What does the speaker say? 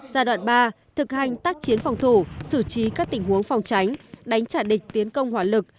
giai đoạn ba thực hành tác chiến phòng thủ xử trí các tình huống phòng tránh đánh trả địch tiến công hỏa lực